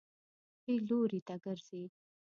ښي لوري ته ګرځئ